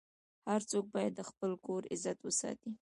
هر څوک باید د خپل کور عزت وساتي.